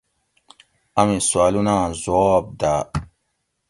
امی سوالوناں زُواب داۤ